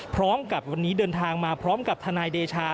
พร้อมกับวันนี้เดินทางมาพร้อมกับทนายเดชา